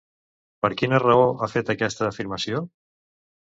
Per quina raó ha fet aquesta afirmació?